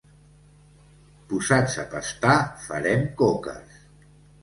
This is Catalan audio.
Posats a pastar farem coques.